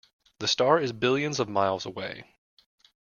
The star is billions of miles away.